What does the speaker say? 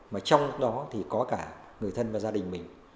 mà trong đó thì có cả người thân và gia đình mình